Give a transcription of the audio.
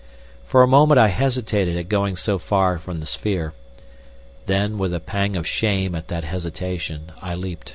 For a moment I hesitated at going so far from the sphere. Then with a pang of shame at that hesitation, I leapt....